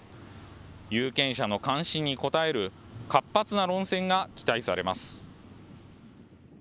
有権者の関心に応える活発な論戦が期待されます。